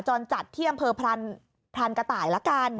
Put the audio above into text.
จรจัดที่อำเภอพรานกระต่ายละกัน